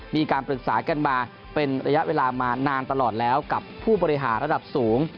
มีการปรึกษากันมาเป็นระยะเวลามานานตลอดแล้วกับผู้บริหารระดับสูง